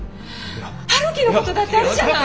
陽樹のことだってあるじゃない！